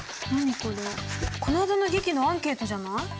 こないだの劇のアンケートじゃない？